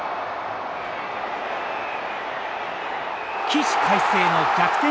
起死回生の逆転